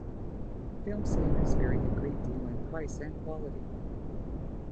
Film scanners vary a great deal in price and quality.